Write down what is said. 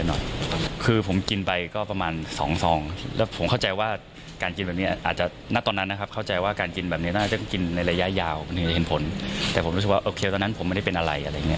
หน่อยคือผมกินไปก็ประมาณสองซองแล้วผมเข้าใจว่าการกินแบบนี้อาจจะณตอนนั้นนะครับเข้าใจว่าการกินแบบนี้น่าจะกินในระยะยาวถึงจะเห็นผลแต่ผมรู้สึกว่าโอเคตอนนั้นผมไม่ได้เป็นอะไรอะไรอย่างเง